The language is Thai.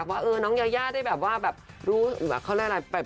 ว่าน้องยาย่ากได้อยู่กันหรือเปล่ายังไง